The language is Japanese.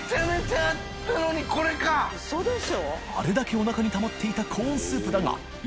Α舛錙磴△譴世おなかにたまっていたコーンスープだが．